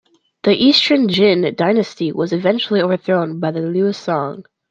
The Eastern Jin dynasty was eventually overthrown by the Liu Song.